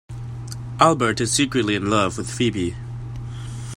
Albert is secretly in love with Phoebe.